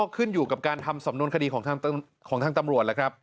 ขึ้นอยู่กับการทำสำนวนคดีของทางตำรวจ